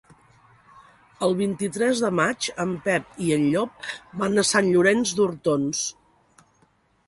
El vint-i-tres de maig en Pep i en Llop van a Sant Llorenç d'Hortons.